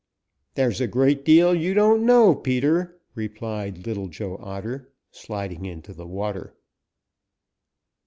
"There's a great deal you don't know, Peter," replied Little Joe Otter, sliding into the water.